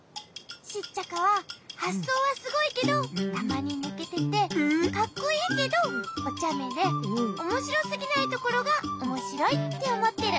シッチャカははっそうはすごいけどたまにぬけててかっこいいけどおちゃめでおもしろすぎないところがおもしろいっておもってる。